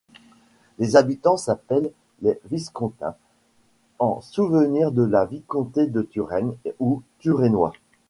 Les habitants s'appellent les Viscomtins, en souvenir de la Vicomté de Turenne, ou Turennois.